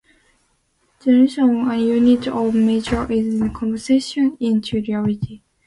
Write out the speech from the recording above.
The realisation of a unit of measure is its conversion into reality.